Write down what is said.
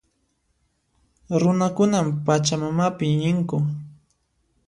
Runakunan Pachamamapi iñinku.